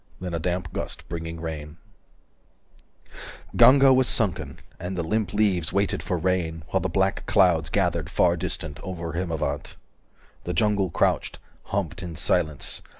Then a damp gust Bringing rain Ganga was sunken, and the limp leaves 395 Waited for rain, while the black clouds Gathered far distant, over Himavant. The jungle crouched, humped in silence.